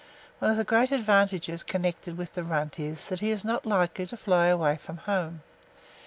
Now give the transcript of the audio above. One of the great advantages connected with the Runt is, that he is not likely to fly away from home.